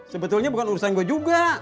sebetulnya bukan urusan gue juga